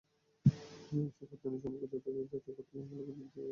এসব অর্থায়ন সম্পর্কে যথার্থতা যাচাই করতে ব্যাংকগুলোকে নির্দেশ দিয়েছে কেন্দ্রীয় ব্যাংক।